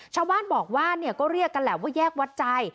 ชาวบ้านบอกว่าเนี่ยก็เรียกกันแหละว่าแยกวัดใจ